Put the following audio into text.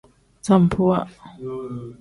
Sambuwa.